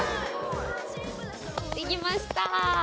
できました！